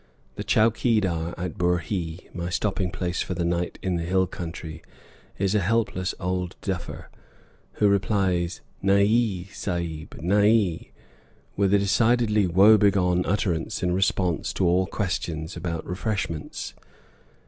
The chowkeedar at Burhee, my stopping place for the night in the hill country, is a helpless old duffer, who replies "nay hee, Sahib, nay hee," with a decidedly woe begone utterance in response to all queries about refreshments.